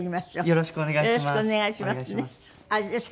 よろしくお願いします。